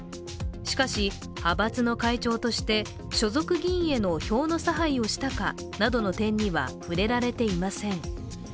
しかし、派閥の会長として所属議員への票の差配をしたかなどの点には触れられていません。